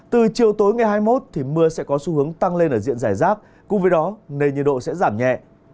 từ chiều tối ngày hai mươi một thì mưa sẽ có xu hướng tăng lên ở diện giải rác cùng với đó nền nhiệt độ sẽ giảm nhẹ